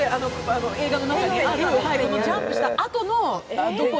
映画の中にあるジャンプしたあとの展開